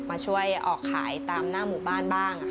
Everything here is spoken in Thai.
มาช่วยออกขายตามหน้าหมู่บ้านบ้าง